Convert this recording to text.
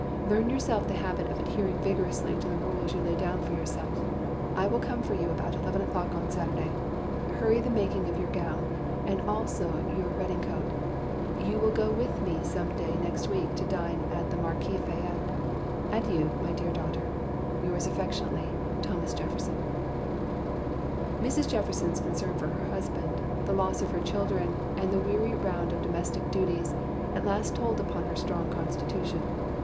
"Learn yourself the habit of adhering vigorously to the rules you lay down for yourself. I will come for you about eleven o'clock on Saturday. Hurry the making of your gown, and also your redingcote. You will go with me some day next week to dine at the Marquis Fayette. Adieu, my dear daughter, "Yours affectionately, "TH. JEFFERSON" Mrs. Jefferson's concern for her husband, the loss of her children, and the weary round of domestic duties at last told upon her strong constitution.